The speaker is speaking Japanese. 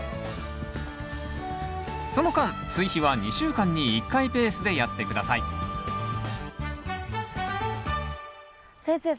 その間追肥は２週間に１回ペースでやって下さい先生